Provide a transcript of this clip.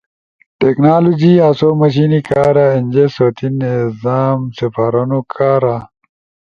ٹیکنالوجی آسو مشینی کارا، اینجے سوتی نظام سپارونو کارا